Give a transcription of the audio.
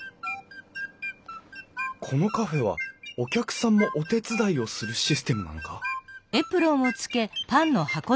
このカフェはお客さんもお手伝いをするシステムなのか？